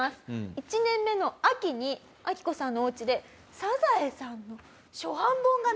１年目の秋にアキコさんのおうちで『サザエさん』の初版本が見つかる。